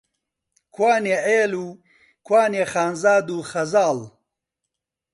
کوانێ عێل و، کوانێ خانزاد و خەزاڵ؟!